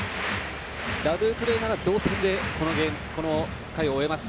ダブルプレーなら同点でこの回を終えます。